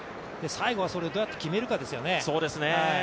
最後はそれをどうやって決めるかですよね。